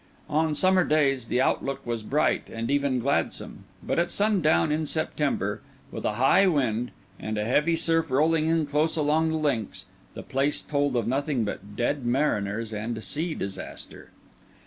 On summer days the outlook was bright and even gladsome; but at sundown in September, with a high wind, and a heavy surf rolling in close along the links, the place told of nothing but dead mariners and sea disaster.